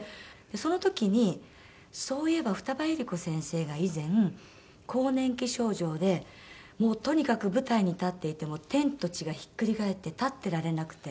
その時にそういえば二葉百合子先生が以前更年期症状でもうとにかく舞台に立っていても天と地がひっくり返って立ってられなくて。